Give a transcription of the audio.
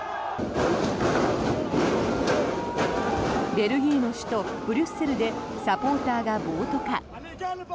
ベルギーの首都ブリュッセルでサポーターが暴徒化。